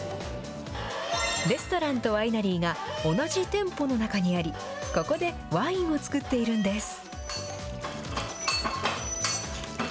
レストランとワイナリーが、同じ店舗の中にあり、そこでワインを造っているんです。